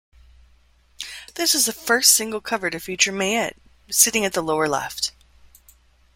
This is the first single cover to feature Mayte, sitting at the lower left.